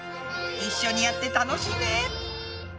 一緒にやって楽しいね！